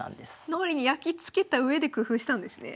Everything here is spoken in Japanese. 脳裏にやきつけたうえで工夫したんですね。